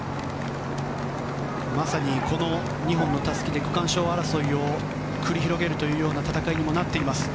まさにこの２本のたすきで区間賞争いを繰り広げるというような戦いになっています。